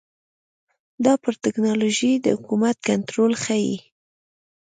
دا پر ټکنالوژۍ د حکومت کنټرول ښيي.